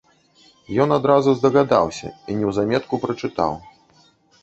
Ён адразу здагадаўся і неўзаметку прачытаў.